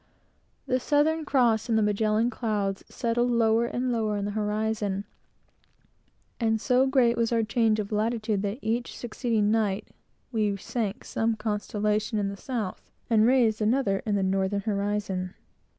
The Southern Cross we saw no more after the first night; the Magellan Clouds settled lower and lower in the horizon; and so great was our change of latitude each succeeding night, that we sank some constellation in the south, and raised another in the northern horizon.